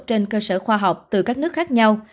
trên cơ sở khoa học từ các nước khác nhau